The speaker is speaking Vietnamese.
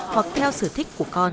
hoặc theo sở thích của con